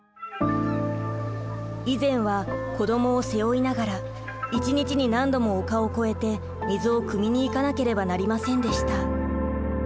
以前は子供を背負いながら１日に何度も丘を越えて水をくみにいかなければなりませんでした。